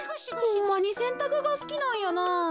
ホンマにせんたくがすきなんやなぁ。